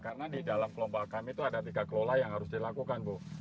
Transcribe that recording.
karena di dalam kelompok kami itu ada tiga kelola yang harus dilakukan bu